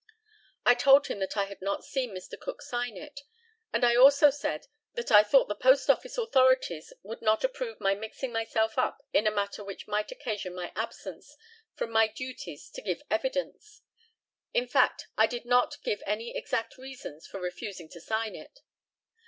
I told him that I had not seen Mr. Cook sign it, and I also said that I thought the Post office authorities would not approve my mixing myself up in a matter which might occasion my absence from my duties to give evidence. In fact, I did not give any exact reasons for refusing to sign it.